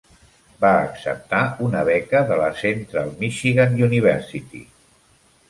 Va acceptar una beca de la Central Michigan University.